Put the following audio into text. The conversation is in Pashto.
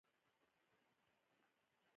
سړک د ټولو وګړو شتمني ده.